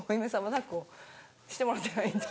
抱っこしてもらってないんで。